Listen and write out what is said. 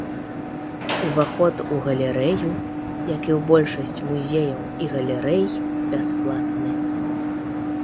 Уваход у галерэю, як і ў большасць музеяў і галерэй, бясплатны.